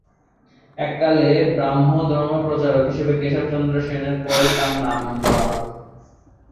এককালে ব্ৰাহ্মধর্ম-প্রচারক হিসাবে কেশবচন্দ্র সেনের পরই তার নাম করা হত।